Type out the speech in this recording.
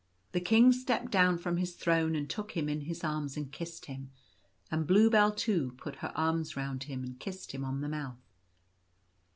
The King stepped down from his throne and took him in his arms, and kissed him ; and Bluebell, too, put her arms round him, and kissed him on the mouth.